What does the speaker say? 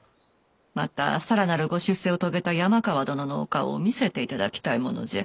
また更なるご出世を遂げた山川殿のお顔を見せていただきたいものじゃ。